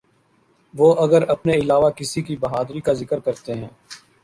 وہ اگر اپنے علاوہ کسی کی بہادری کا ذکر کرتے ہیں۔